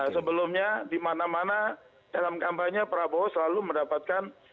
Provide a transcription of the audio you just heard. sebelumnya dimana mana dalam kampanye prabowo selalu mendapatkan